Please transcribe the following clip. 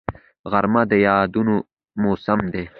غرمه د یادونو موسم دی